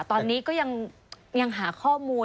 ตอนนี้ก็ยังหาข้อมูล